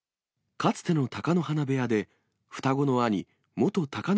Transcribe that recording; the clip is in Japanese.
かつての貴乃花部屋で、双子の兄、元貴ノ